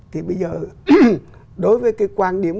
thì bây giờ đối với cái quan điểm